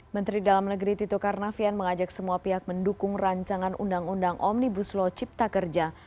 menteri dalam negeri tito karnavian mengajak semua pihak mendukung rancangan undang undang omnibus law cipta kerja